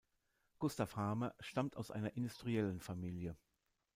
Gustav Harmer stammt aus einer Industriellenfamilie.